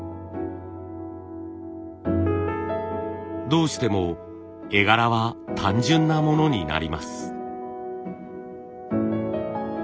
どうしても絵柄は単純なものになります。